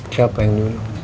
siapa yang dulu